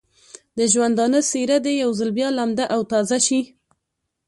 د ژوندانه څېره دې یو ځل بیا لمده او تازه شي.